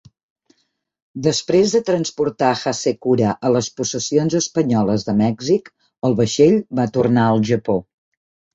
Després de transportar Hasekura a les possessions espanyoles de Mèxic, el vaixell va tornar al Japó.